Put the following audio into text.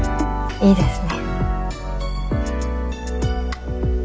いいですね。